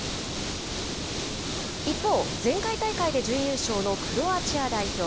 一方、前回大会で準優勝のクロアチア代表。